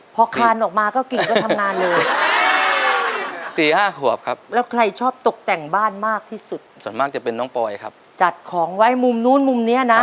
พอคานออกมาก็กิ่งก็ทำงานเลย